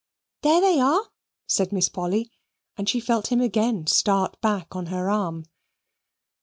"There they are," said Miss Polly, and she felt him again start back on her arm.